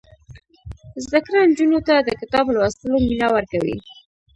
زده کړه نجونو ته د کتاب لوستلو مینه ورکوي.